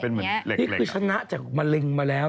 นี่คือชนะจากมะเร็งมาแล้ว